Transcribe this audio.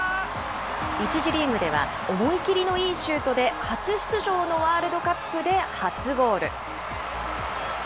１次リーグでは、思い切りのいいシュートで、初出場のワールドカップで初ゴール。